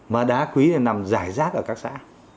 mà đá quý này nằm rải rác ở các xã